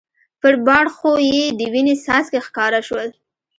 پر باړخو یې د وینې څاڅکي ښکاره شول.